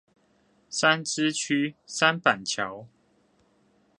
三芝區三板橋